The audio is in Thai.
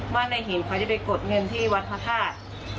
ว่านายหินเขาจะไปกดเงินที่วัดพระธาตุ